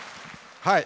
はい。